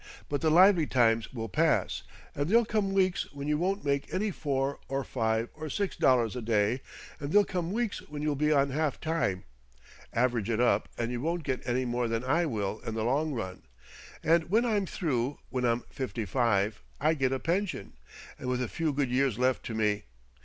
But the lively times will pass, and there'll come weeks when you won't make any four or five or six dollars a day, and there'll come weeks when you'll be on half time. Average it up and you won't get any more than I will in the long run. And when I'm through, when I'm fifty five, I get a pension, and with a few good years left to me.